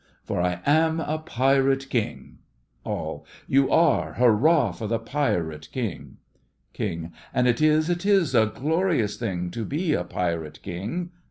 For I am a Pirate King! ALL: You are! Hurrah for the Pirate King! KING: And it is, it is a glorious thing To be a Pirate King.